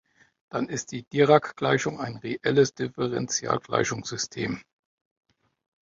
Dann ist die Dirac-Gleichung ein reelles Differentialgleichungssystem,